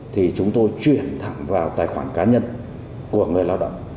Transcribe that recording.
thì chúng tôi chuyển thẳng vào tài khoản cá nhân của người lao động